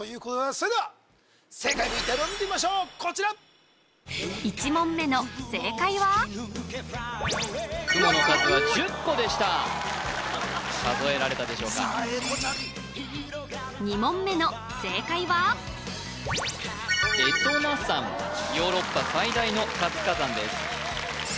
それでは正解ＶＴＲを見てみましょうこちら１問目の正解は雲の数は１０個でした数えられたでしょうかさあ英孝ちゃん２問目の正解はヨーロッパ最大の活火山です